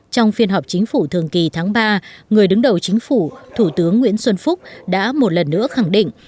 trong phiên họp chính phủ thường kỳ tháng ba người đứng đầu chính phủ thủ tướng nguyễn xuân phúc đã một lần nữa khẳng định